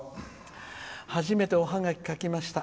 初めておハガキを書きました。